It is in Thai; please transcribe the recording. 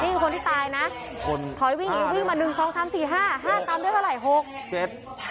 นี่คือคนที่ตายนะถอยวิ่งอีกวิ่งมา๑๒๓๔๕๕ตามด้วยเท่าไหร่๖๗